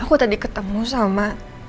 aku tadi ketemu sama